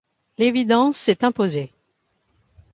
L’évidence s’est imposée.